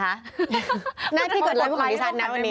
หน้าที่กดไลค์ของพี่สัตว์นั้นวันนี้